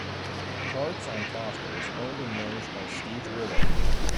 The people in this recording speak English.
Carts on Foster is owned and managed by Steve Woolard.